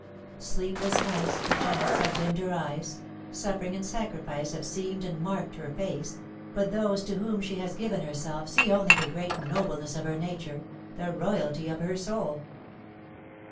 Sleepless nights, perchance, have dimmed her eyes, suffering and sacrifice have seamed and marked her face, but those to whom she has given herself see only the great nobleness of her nature, the royalty of her soul.